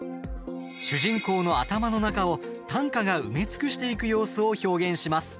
主人公の頭の中を短歌が埋め尽くしていく様子を表現します。